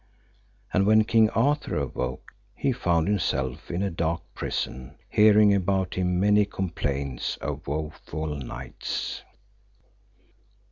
And when King Arthur awoke he found himself in a dark prison, hearing about him many complaints of woful knights.